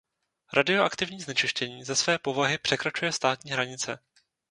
Radioaktivní znečištění ze své povahy překračuje státní hranice.